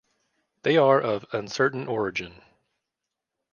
They are of uncertain origin.